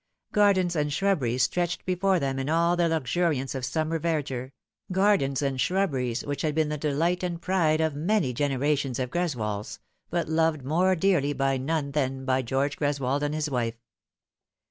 Gardens and shrubberies stretched before them in all their luxuriance of summer verdure, gardens and shrubberies which had been the delight and pride of many generations of Greswolds, but loved more dearly by none than by George Greswold and his wife.